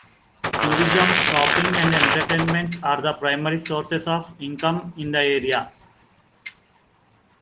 Tourism, shopping, and entertainment are the primary sources of income in the area.